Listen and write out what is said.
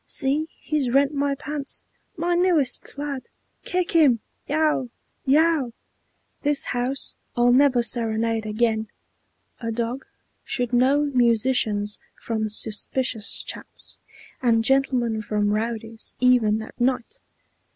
See, he's rent my pants, My newest plaid! Kick him!" "Yow, yow!" "This house I'll never serenade again! A dog Should know musicians from suspicious chaps, And gentlemen from rowdies, even at night!"